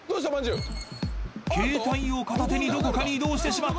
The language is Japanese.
［携帯を片手にどこかに移動してしまった］